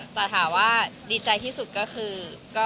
แต่ถามว่าดีใจที่สุดก็คือ